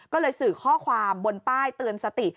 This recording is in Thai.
ก็เลยสื่อข้อความบนป้ายเตือนสติ